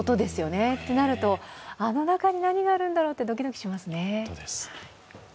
となると、あの中に何があるんだろうってドキドキしますね。